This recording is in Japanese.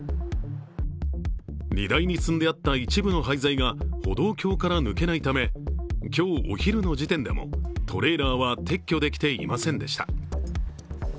荷台に積んであった一部の廃材が歩道橋から抜けないため今日お昼の時点でもトレーラーは撤去できていませんでした。